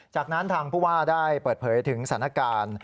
จากนั้นทางผู้ว่าได้เปิดเผยถึงสถานการณ์